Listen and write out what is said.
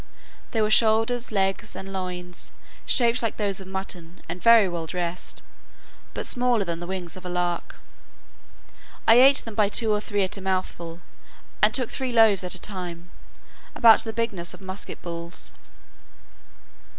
There were shoulders, legs, and loins, shaped like those of mutton, and very well dressed, but smaller than the wings of a lark. I ate them by two or three at a mouthful, and took three loaves at a time, about the bigness of musket bullets.